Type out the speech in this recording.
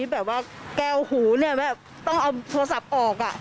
แบบว่าแก้วหูเนี่ยแบบต้องเอาโทรศัพท์ออก